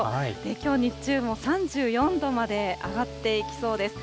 きょう日中、３４度まで上がっていきそうです。